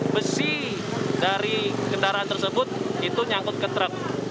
besi dari kendaraan tersebut itu nyangkut ke truk